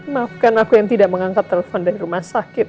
maafkan aku yang tidak mengangkat telepon dari rumah sakit